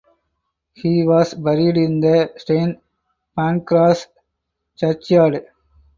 He was buried in the St Pancras churchyard.